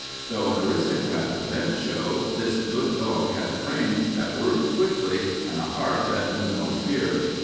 Though an aristocrat of the bench show, this good dog had a brain that worked quickly and a heart that knew no fear.